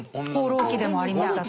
「放浪記」でもありました。